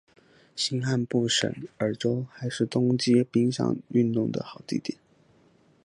新罕布什尔州还是冬季冰上运动的好地点。